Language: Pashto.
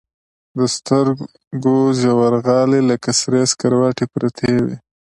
د سترګو ژورغالي لكه سرې سكروټې پرتې وي.